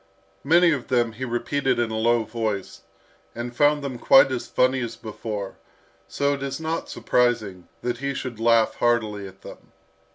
Many of them he repeated in a low voice, and found them quite as funny as before; so it is not surprising that he should laugh heartily at them.